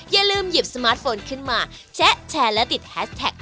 อย่าลืมหยิบสมาร์ทโฟนขึ้นมาแชะแชร์และติดแฮสแท็ก